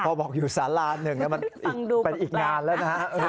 พอบอกอยู่สารา๑มันเป็นอีกงานแล้วนะฮะ